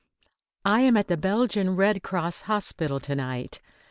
I am at the Belgian Red Cross hospital to night.